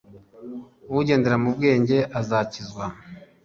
ugendera mu bwenge azakizwa